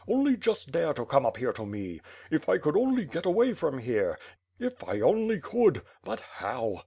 Only just dare to come up here to me. If I could only get away from here, if I only could! But how?"